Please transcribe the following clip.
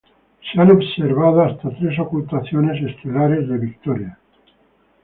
Se han observado hasta tres ocultaciones estelares de Victoria.